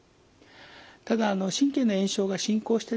ただ神経の炎症が進行してですね